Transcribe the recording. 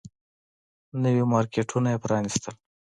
نوي مارکيټونه يې پرانيستل.